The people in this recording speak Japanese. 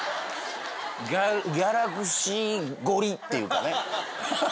ギャラクシー凝りっていうかね！